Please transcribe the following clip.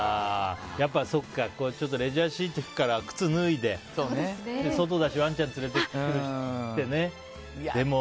やっぱレジャーシート敷くから靴を脱いで外だし、ワンちゃん連れてきてね。